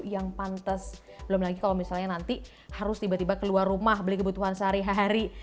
yang pantes belum lagi kalau misalnya nanti harus tiba tiba keluar rumah beli kebutuhan sehari hari